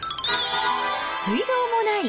水道もない！